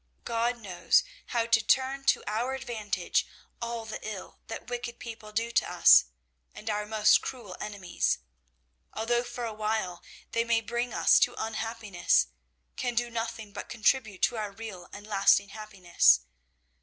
God knows how to turn to our advantage all the ill that wicked people do to us; and our most cruel enemies, although for a while they may bring us to unhappiness, can do nothing but contribute to our real and lasting happiness.